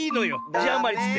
じあまりっつって。